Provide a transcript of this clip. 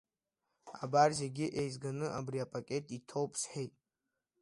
Абар, зегьы еизганы абри апакет иҭоуп, — сҳәеит.